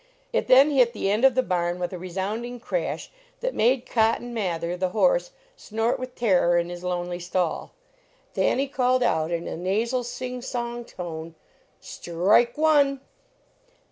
It then hit the end of the barn with a resounding crash that made Cotton Mather, the horse, snort with terror in his lonely stall. Thanny called out in a nasal, sing song tone: "Strike one!"